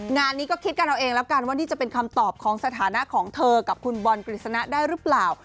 งานนี้ก็คิดกันเอาเองแล้วกันว่านี่จะเป็นคำตอบของสถานะของเธอกับคุณบอลกฤษณะได้หรือเปล่า